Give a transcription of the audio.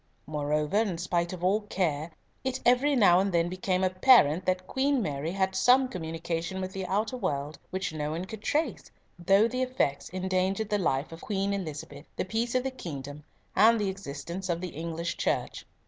Moreover, in spite of all care, it every now and then became apparent that Queen Mary had some communication with the outer world which no one could trace, though the effects endangered the life of Queen Elizabeth, the peace of the kingdom, and the existence of the English Church.